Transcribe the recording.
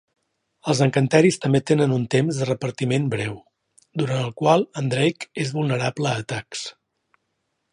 Els encanteris també tenen un temps de repartiment breu, durant el qual en Drake és vulnerable a atacs.